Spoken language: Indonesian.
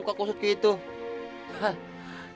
sekarang salpana njali setuju